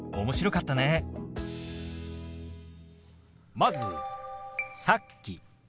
まず「さっき」。